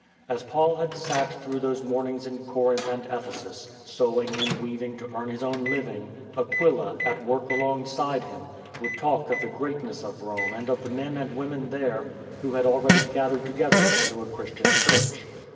As Paul had sat through those morn ings in Corinth and Ephesus, sewing and weaving to earn his own living, Aquila, at work alongside him, would talk of the greatness of Rome and of the men and women there who had already gathered together into a Christian Church.